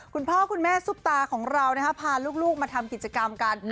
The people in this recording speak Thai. คุณพ่อคุณแม่ซุปตาของเราพาลูกมาทำกิจกรรมกัน